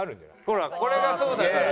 ほらこれがそうだから。